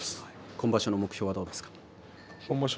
今場所の目標はどうですか？